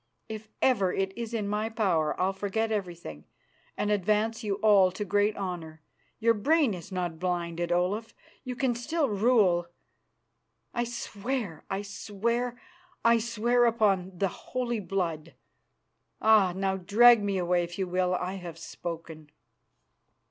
If ever it is in my power I'll forget everything and advance you all to great honour. Your brain is not blinded, Olaf; you can still rule. I swear, I swear, I swear upon the Holy Blood! Ah! now drag me away if you will. I have spoken."